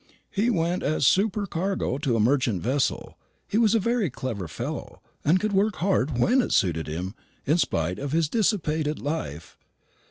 He went as supercargo to a merchant vessel: he was a clever fellow, and could work hard when it suited him, in spite of his dissipated life.